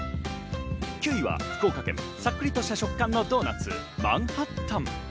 ９位は福岡県、サックリとした食感のドーナツ、マンハッタン。